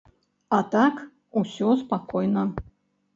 А так усё спакойна.